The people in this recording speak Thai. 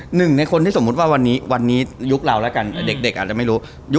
หนึ่งในคนที่สมมุติว่าวันนี้วันนี้ยุคเราแล้วกันเด็กอาจจะไม่รู้